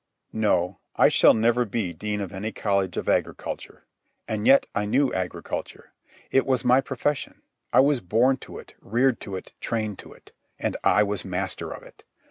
No; I shall never be Dean of any college of agriculture. And yet I knew agriculture. It was my profession. I was born to it, reared to it, trained to it; and I was a master of it.